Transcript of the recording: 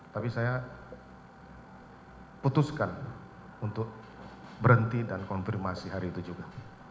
tapi saya putuskan untuk berhenti dan konfirmasi hari itu juga